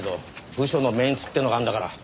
部署のメンツってのがあるんだから。